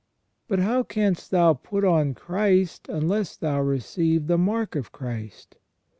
But how canst thou put on Christ unless thou receive the mark of Christ